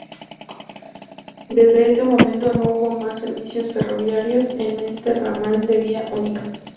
Desde ese momento no hubo más servicios ferroviarios en este ramal de vía única.